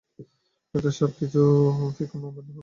Doctor সাব, fee কিছু কম হবেনা?